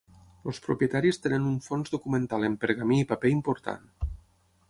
Els propietaris tenen un fons documental en pergamí i paper important.